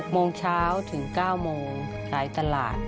โมงเช้าถึง๙โมงหลายตลาด